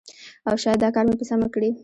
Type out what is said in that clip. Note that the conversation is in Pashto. او شاید دا کار مې په سمه کړی